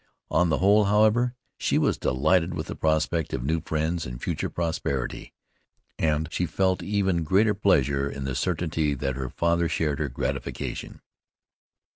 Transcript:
On the whole, however, she was delighted with the prospect of new friends and future prosperity, and she felt even greater pleasure in the certainty that her father shared her gratification.